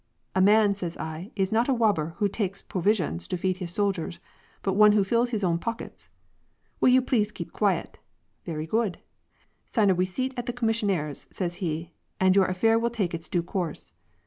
' A man,' says I, ^ is not a wobl)er, who takes pwo ^visions to feed his soldiers, but one who fills his own pockets.' —' Will you please keep quiet !'* Vewy good.' ' Sign a we ceipt at the commissioner's,' says he * and your affair will take its due course.'